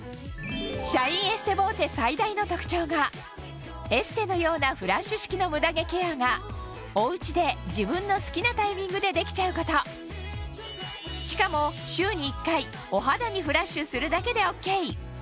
シャインエステボーテ最大の特徴がエステのようなフラッシュ式のムダ毛ケアがおうちで自分の好きなタイミングでできちゃうことしかもまず。